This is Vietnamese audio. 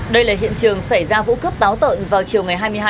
đây là hiện trường xảy ra vụ cướp táo tợn vào chiều hai mươi hai một mươi một